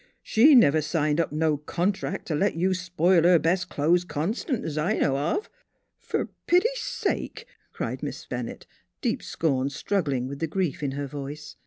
She never signed up no contract t' let you spile her best clo'es constant, 't I know of." "Fer pity sake!" cried Miss Bennett, deep scorn struggling with the grief in her voice.